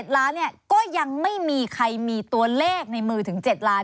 ๗ล้านก็ยังไม่มีใครมีตัวเลขในมือถึง๗ล้าน